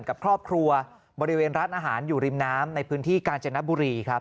กับครอบครัวบริเวณร้านอาหารอยู่ริมน้ำในพื้นที่กาญจนบุรีครับ